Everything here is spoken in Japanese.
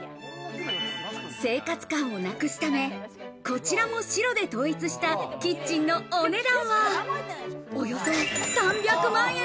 生活感をなくすため、こちらも白で統一したキッチンのお値段は、およそ３００万円。